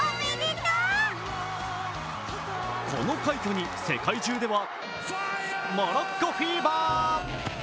この快挙に世界中ではモロッコフィーバー。